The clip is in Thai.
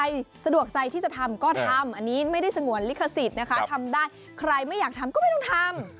สะดวกใจที่จะทำก็ทำอันนี้ไม่ได้สงวนลิขสิทธิ์นะคะทำได้ใครไม่อยากทำก็ไม่ต้องทำ